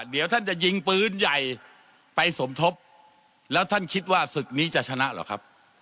เดี๋ยวท่านจะยิงปืนใหญ่ไปสมทบแล้วท่านคิดว่าศึกนี้จะชนะเหรอครับ